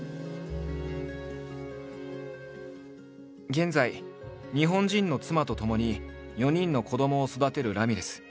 現在日本人の妻とともに４人の子どもを育てるラミレス。